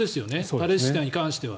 パレスチナに関しては。